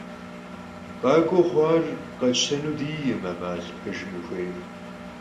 Khak'ueu xhuar khetştenui di'ekhım 'emal, pejjım vuxuêyme.